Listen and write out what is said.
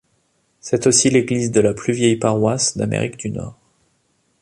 C'est aussi l'église de la plus vieille paroisse d'Amérique du Nord.